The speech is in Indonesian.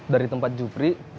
dari tempat jupri